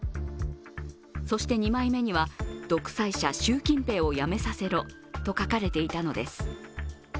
そして、２枚目には独裁者・習近平を辞めさせろと書かれていたのです。